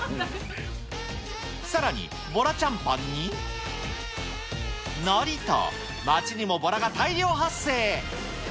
さらにボラちゃんパンに、のりと、町にはボラが大量発生。